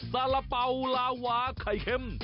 สาระเป๋าลาวาไข่เค็ม